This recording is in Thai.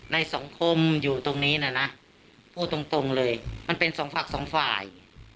ในสังคมอยู่ตรงนี้นะนะพูดตรงเลยมันเป็นสองฝั่งสองฝ่าย